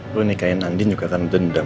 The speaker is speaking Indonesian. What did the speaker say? gue nikahin andi juga karena dendam